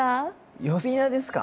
呼び名ですか？